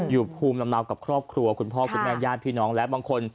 อยู่ภูมิลำเนากับครอบครัวคุณพ่อคุณแม่ญาติพี่น้องและบางคน